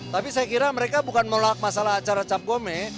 tapi saya kira mereka bukan menolak masalah acara cap gome